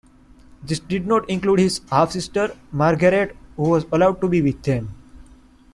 This did not include his half-sister, Margaret who was allowed to be with them.